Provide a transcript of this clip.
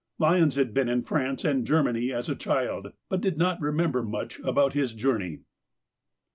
Lyons had been in France and Germany as a child, but did not remember much about his journey.